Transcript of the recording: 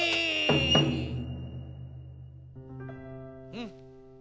うん。